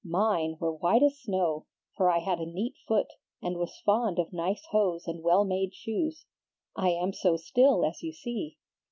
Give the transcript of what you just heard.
Mine were white as snow, for I had a neat foot, and was fond of nice hose and well made shoes. I am so still, as you see."